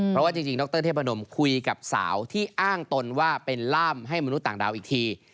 เพราะว่าจริงดรเทพนมคุยกับสาวที่อ้างตนว่าเป็นล่ามให้มนุษย์ต่างดาวอีกที